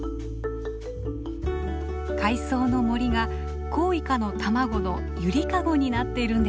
海藻の森がコウイカの卵のゆりかごになっているんですね。